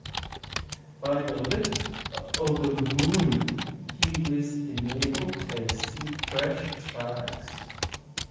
By the light of the moon, he was enabled to see fresh tracks.